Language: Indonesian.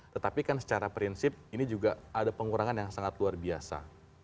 tetapi kan secara prinsip ini juga ada pengurangan yang sangat luar biasa